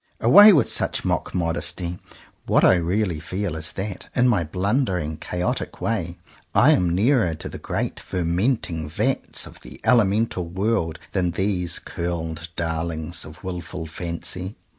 Away with such mock modesty! What I really feel is that, in my blundering chaotic way, I am nearer to the great fermenting vats of the elemental world than these curled darlings of wilful fancy.